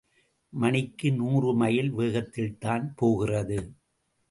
மணிக்கு நூறு மைல் வேகத்தில்தான் போகிறது.